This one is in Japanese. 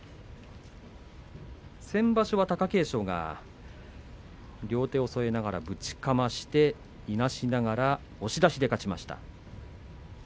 先場所は貴景勝が両手を添えながら、ぶちかましていなしながら押し出しで勝っています。